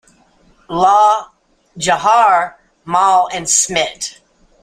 Lal Jawahar Mal and Smt.